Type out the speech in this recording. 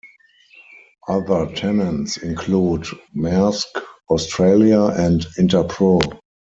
Other tenants include Maersk Australia and Interpro.